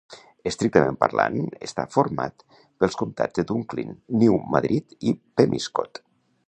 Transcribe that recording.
Estrictament parlant, està format pels comtats de Dunklin, New Madrid i Pemiscot.